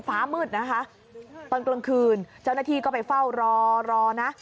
ฟ้ามืดนะคะตอนกลางคืนเจ้าหน้าที่ก็ไปเฝ้ารอรอนะ